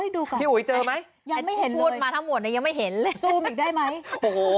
ดูก่อนพี่อุ๋ยเจอไหมยังไม่เห็นเลยซูมอีกได้ไหมโอ้โฮ